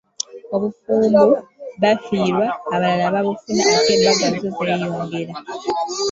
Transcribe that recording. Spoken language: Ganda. Obufumbo bafiirwa, balala babufuna ate embaga zo zeeyongera!